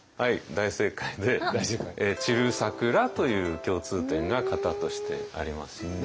大正解で「散る桜」という共通点が型としてありますよね。